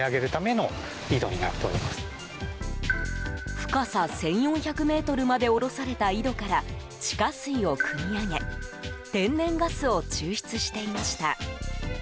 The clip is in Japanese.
深さ１４００ｍまで下ろされた井戸から地下水をくみ上げ天然ガスを抽出していました。